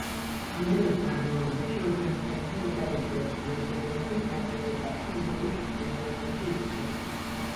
ამ დროის განმავლობაში ორგანიზაცია ეტაპობრივად ძლიერდებოდა და საწყის ეტაპზე ევროპის ჩრდილო ნაწილში იზრდებოდა.